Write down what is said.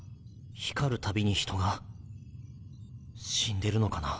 光るたびに人が死んでるのかなぁ。